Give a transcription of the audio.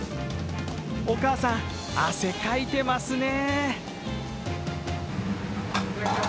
お母さん、汗かいてますね。